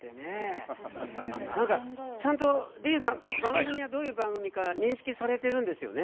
何かちゃんとディーンさん番組がどういう番組か認識されているんですよね？